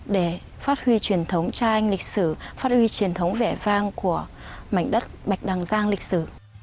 để phát huy truyền thống cha anh lịch sử phát huy truyền thống vẻ vang của mảnh đất bạch đằng giang lịch sử